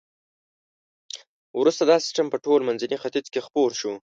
وروسته دا سیستم په ټول منځني ختیځ کې خپور شو.